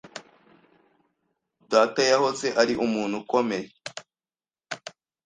Data yahoze ari umuntu ukomeye.